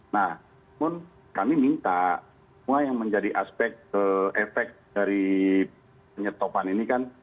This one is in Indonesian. nah namun kami minta semua yang menjadi aspek efek dari penyetopan ini kan